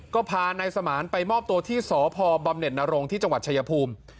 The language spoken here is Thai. ก็พานายสมานไปมอบตัวที่สพบำเน็ตนรงค์ที่จังหวัดชายภูมิ